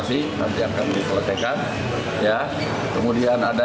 di efekerti dengan gratis dan menjelaskan menarik susan sarawaka